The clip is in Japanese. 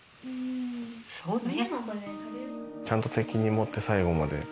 そうね。